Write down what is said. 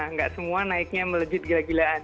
nggak semua naiknya melejit gila gilaan